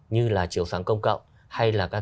như là chiếu sáng công cộng hay là